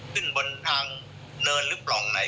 ขึ้นบนทางเนินลึกหลองไหน